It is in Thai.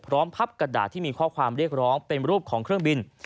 พับกระดาษที่มีข้อความเรียกร้องเป็นรูปของเครื่องบิน